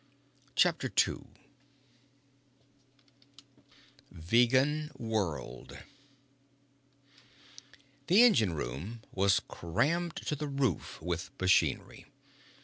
CHAPTER II Vegan World The engine room was crammed to the roof with machinery.